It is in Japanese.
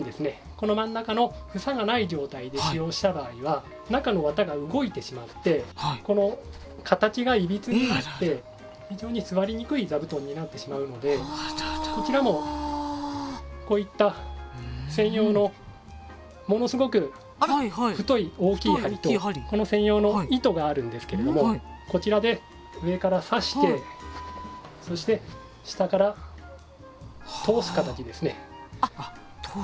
この真ん中のふさがない状態で使用した場合は中の綿が動いてしまってこの形がいびつになって非常に座りにくい座布団になってしまうのでこちらもこういった専用のものすごく太い大きい針とこの専用の糸があるんですけれどもこちらで上から刺してそして下から通す形ですね。